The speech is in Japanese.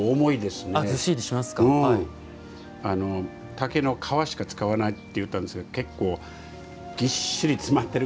竹の皮しか使わないって言ったんですけど結構ぎっしり詰まってるから重いですね。